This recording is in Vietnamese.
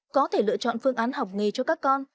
có thể lựa chọn phương án học nghề cho các con